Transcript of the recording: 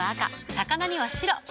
魚には白。